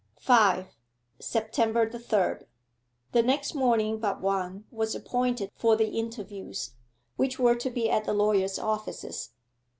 5. SEPTEMBER THE THIRD The next morning but one was appointed for the interviews, which were to be at the lawyer's offices.